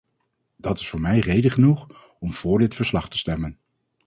Dat is voor mij reden genoeg om voor dit verslag te stemmen.